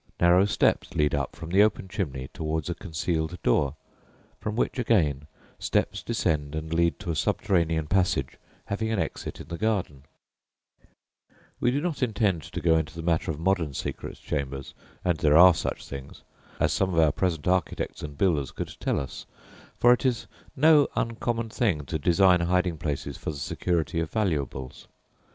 Narrow steps lead up from the open chimney towards a concealed door, from which again steps descend and lead to a subterranean passage having an exit in the garden. [Illustration: BOVEY HOUSE, SOUTH DEVON] [Illustration: MAPLEDURHAM HOUSE, OXFORDSHIRE] We do not intend to go into the matter of modern secret chambers, and there are such things, as some of our present architects and builders could tell us, for it is no uncommon thing to design hiding places for the security of valuables.